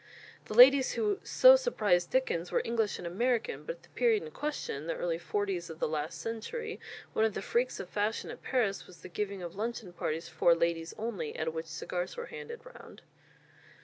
The ladies who so surprised Dickens were English and American, but at the period in question the early 'forties of the last century one of the freaks of fashion at Paris was the giving of luncheon parties for ladies only, at which cigars were handed round.